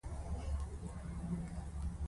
حالات خرابېدل او یوه ورځ موږ یو خبر واورېد